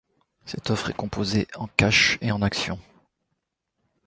Cette offre est composée en cash et en action.